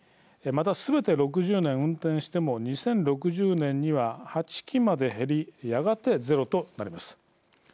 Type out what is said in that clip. また、すべて６０年運転しても２０６０年には８基まで減りやがて、ゼロとなります。